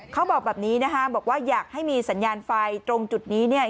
เขาบอกแบบนี้นะคะบอกว่าอยากให้มีสัญญาณไฟตรงจุดนี้เนี่ย